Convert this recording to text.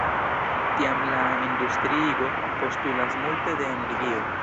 Tiam la industriigo postulas multe de energio.